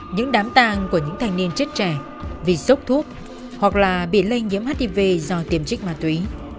những đám tàng của những thanh niên chết trẻ vì sốc thuốc hoặc là bị lây nhiễm hiv do tiêm trích ma túy